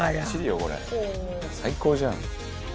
「最高じゃん」